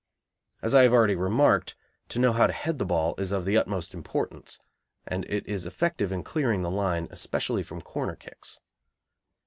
As I have already remarked, to know how to head the ball is of the utmost importance, and it is effective in clearing the line, especially from corner kicks.